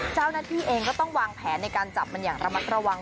เจ้าหน้าที่เองก็ต้องวางแผนในการจับมันอย่างระมัดระวัง